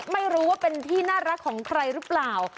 ไม่รู้ว่าเป็นที่น่ารักของใครหรือเปล่า